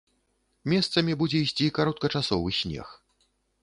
Месцамі будзе ісці кароткачасовы снег.